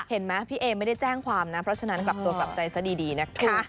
เห็นไหมพี่เอไม่ได้แจ้งความนะเพราะฉะนั้นกลับตัวกลับใจซะดีนะคะ